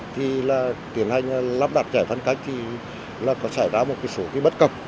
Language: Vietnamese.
thì là tuyển hành lắp đặt giải phân cách thì là có xảy ra một số bất cập